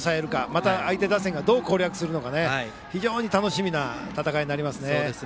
また、相手打線がどう攻略するか非常に楽しみな戦いになりますね。